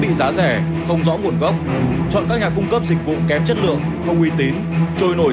bị giá rẻ không rõ nguồn gốc chọn các nhà cung cấp dịch vụ kém chất lượng không uy tín trôi nổi